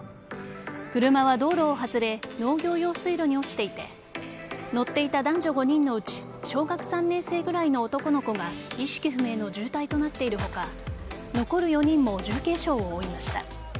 車は道路を外れ農業用水路に落ちていて乗っていた男女５人のうち小学３年生ぐらいの男の子が意識不明の重体となっている他残る４人も重軽傷を負いました。